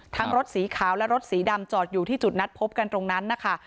รถสีขาวและรถสีดำจอดอยู่ที่จุดนัดพบกันตรงนั้นนะคะ